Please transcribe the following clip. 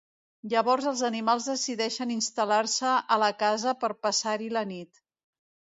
Llavors els animals decideixen instal·lar-se a la casa per passar-hi la nit.